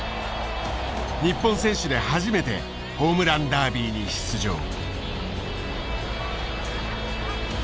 日本選手で初めてホームランダービーに出場。